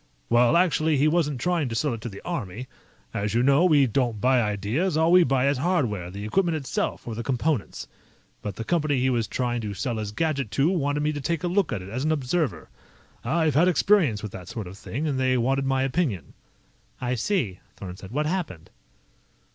"Well, actually, he wasn't trying to sell it to the Army. As you know, we don't buy ideas; all we buy is hardware, the equipment itself, or the components. But the company he was trying to sell his gadget to wanted me to take a look at it as an observer. I've had experience with that sort of thing, and they wanted my opinion." "I see," Thorn said. "What happened?"